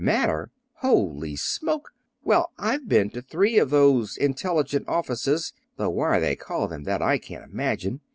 "Matter? Holy smoke! Well, I've been to three of those intelligence offices though why they call them that I can't imagine.